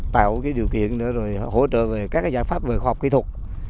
tạo điều kiện để hỗ trợ các giải pháp về khoa học kỹ thuật